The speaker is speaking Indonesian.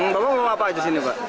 belum apa aja sini pak